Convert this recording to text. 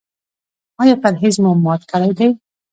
ایا پرهیز مو مات کړی دی؟